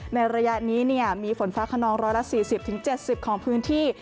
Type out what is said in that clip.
ในระยะนี้มีฝนฟ้าขนอง๑๔๐๗๐ของพื้นที่